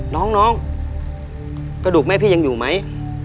น้องกระดูกแม่พี่ยังอยู่ไหม